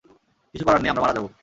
কিছুই করার নেই, আমরা মারা যাবো।